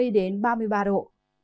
nhiệt độ cao nhất từ ba mươi ba mươi năm độ